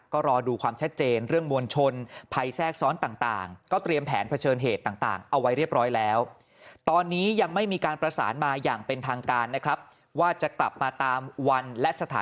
ก็รอดูความแช่เจนเรื่องมวลชนภัยแทรกซ้อนต่าง